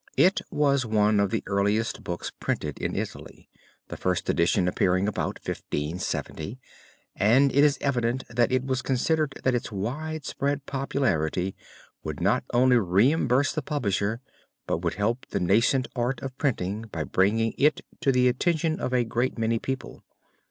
It was one of the earliest books printed in Italy, the first edition appearing about 1570, and it is evident that it was considered that its widespread popularity would not only reimburse the publisher, but would help the nascent art of printing by bringing it to the attention of a great many people.